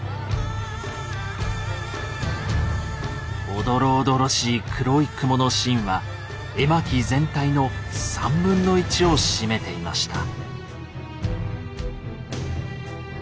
おどろおどろしい黒い雲のシーンは絵巻全体の３分の１を占めていました。